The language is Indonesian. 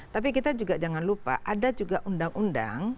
tapi kita juga jangan lupa ada juga undang undang